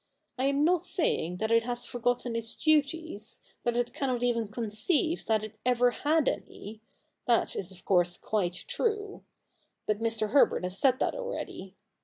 1 am not saying that it has forgotten its duties — that it cannot even conceive that it ever had any ; that is of course quite true : but Mr. Herbert has said that already.